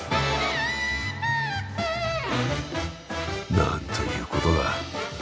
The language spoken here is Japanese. なんということだ。